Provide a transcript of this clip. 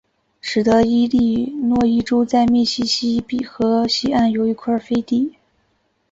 使得伊利诺伊州在密西西比河西岸有一块飞地。